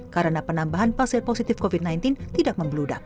karena penambahan pasien positif covid sembilan belas tidak membludak